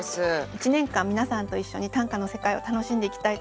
１年間皆さんと一緒に短歌の世界を楽しんでいきたいと思います。